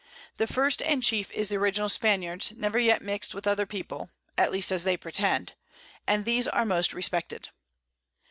The first and chief is the original Spaniards, never yet mix'd with other People (at least as they pretend) and these are most respected.